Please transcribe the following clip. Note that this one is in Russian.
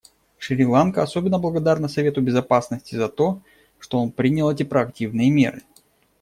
Шри-Ланка особенно благодарна Совету Безопасности за то, что он принял эти проактивные меры.